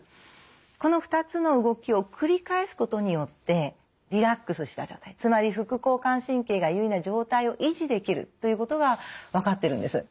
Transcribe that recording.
この２つの動きをくり返すことによってリラックスした状態つまり副交感神経が優位な状態を維持できるということが分かってるんです。